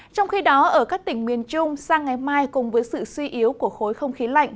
trong khi đó ở các tỉnh miền trung sang ngày mai cùng với sự suy yếu của khối không khí lạnh